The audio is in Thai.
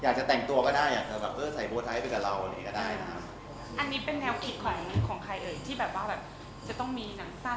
อันนี้เป็นแนวไขของใครที่จะต้องมีหนังสั้น